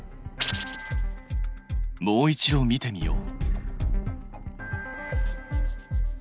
もう一度見てみよう。